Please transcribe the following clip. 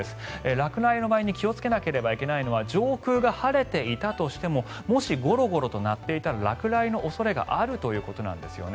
落雷の場合気をつけなければならないのは上空が晴れていたとしてももしゴロゴロと鳴っていたら落雷の恐れがあるということなんですよね。